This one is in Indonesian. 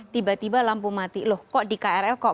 tiba tiba lampu mati loh kok di krl kok